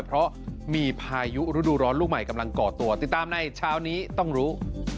เพราะมีพายุฤดูร้อนลูกใหม่กำลังก่อตัวติดตามในเช้านี้ต้องรู้